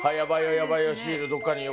やばいよ